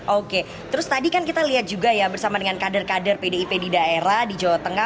oke terus tadi kan kita lihat juga ya bersama dengan kader kader pdip di daerah di jawa tengah